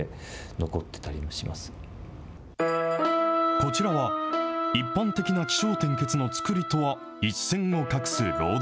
こちらは、一般的な起承転結の作りとは一線を画すロード